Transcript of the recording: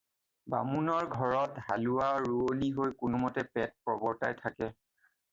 বামুণৰ ঘৰত হালোৱা-ৰোৱণী হৈ কোনো মতে পেট প্ৰবৰ্ত্তাই থাকে।